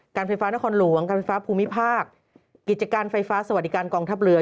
ไฟฟ้านครหลวงการไฟฟ้าภูมิภาคกิจการไฟฟ้าสวัสดิการกองทัพเรือ